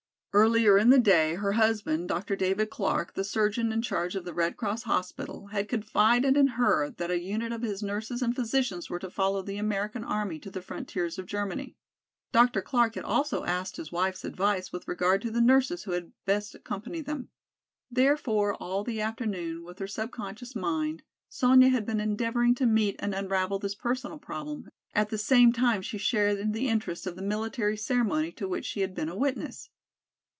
Earlier in the day her husband, Dr. David Clark, the surgeon in charge of the Red Cross hospital, had confided in her that a unit of his nurses and physicians were to follow the American army to the frontiers of Germany. Dr. Clark had also asked his wife's advice with regard to the nurses who had best accompany them. Therefore, all the afternoon, with her subconscious mind Sonya had been endeavoring to meet and unravel this personal problem, at the same time she shared in the interest of the military ceremony to which she had been a witness.